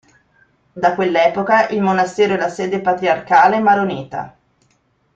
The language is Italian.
Da quell'epoca il monastero è la sede patriarcale maronita.